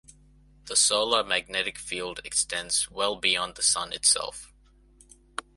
The solar magnetic field extends well beyond the Sun itself.